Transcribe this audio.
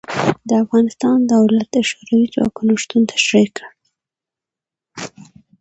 د افغانستان دولت د شوروي ځواکونو شتون تشرېح کړ.